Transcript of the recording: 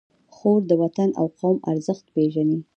خور د وطن او قوم ارزښت پېژني.